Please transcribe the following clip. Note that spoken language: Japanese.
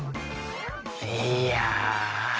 いや。